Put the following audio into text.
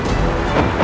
jurus braja dewa